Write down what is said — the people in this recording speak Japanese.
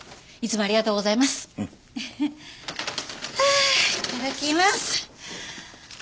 ああいただきます。